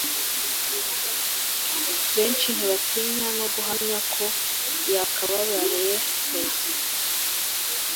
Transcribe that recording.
benshi ntibatinye no guhamya ko yakababareye perezida